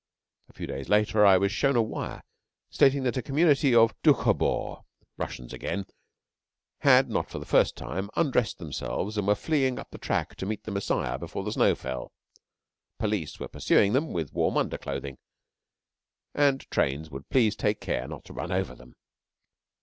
A few days later I was shown a wire stating that a community of Doukhobors Russians again had, not for the first time, undressed themselves, and were fleeing up the track to meet the Messiah before the snow fell. Police were pursuing them with warm underclothing, and trains would please take care not to run over them.